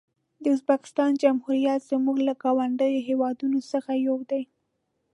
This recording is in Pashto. د ازبکستان جمهوریت زموږ له ګاونډیو هېوادونو څخه یو دی.